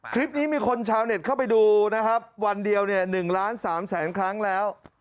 คลิปนี้มีคนชาวเน็ตเข้าไปดูนะครับวันเดียวเนี่ย๑ล้าน๓แสนครั้งแล้ว